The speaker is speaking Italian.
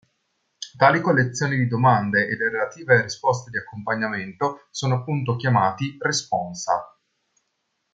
Tali collezioni di domande e le relative risposte di accompagnamento sono appunto chiamati "responsa".